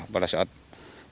pada saat berjalan